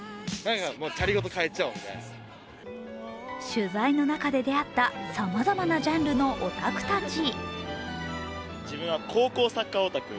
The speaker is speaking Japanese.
取材の中で出会ったさまざまなジャンルのオタクたち。